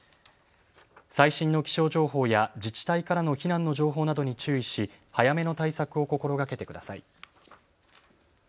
最新の気象情報や自治体からの避難の情報などに注意し早めの対策を心がけてください。